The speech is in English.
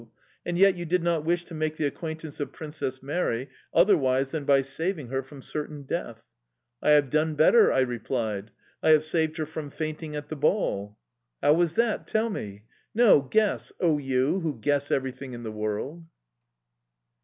And yet you did not wish to make the acquaintance of Princess Mary otherwise than by saving her from certain death." "I have done better," I replied. "I have saved her from fainting at the ball"... "How was that? Tell me." "No, guess! O, you who guess everything in the world!"